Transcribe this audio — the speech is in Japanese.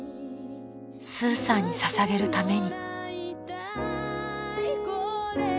［スーさんに捧げるために］